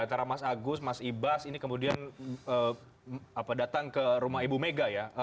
antara mas agus mas ibas ini kemudian datang ke rumah ibu mega ya